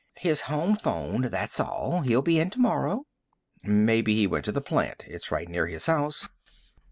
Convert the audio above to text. "His home phoned, that's all. He'll be in tomorrow." "Maybe he went to the plant. It's right near his house."